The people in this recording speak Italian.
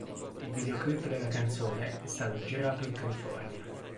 Il videoclip della canzone è stato girato in California.